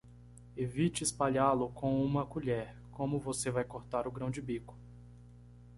Evite espalhá-lo com uma colher, como você vai cortar o grão de bico.